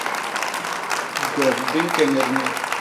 Gwep bi ñkeñep nye.